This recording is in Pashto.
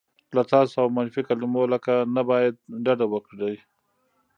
له "تاسو" او منفي کلیمو لکه "نه باید" ډډه وکړئ.